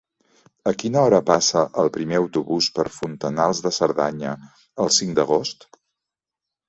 A quina hora passa el primer autobús per Fontanals de Cerdanya el cinc d'agost?